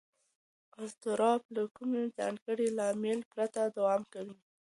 اضطراب له کوم ځانګړي لامل پرته دوام کوي.